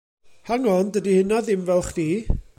Hang on, dydi hynna ddim fel chdi.